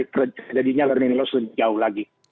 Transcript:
perjadinya learning loss jauh lagi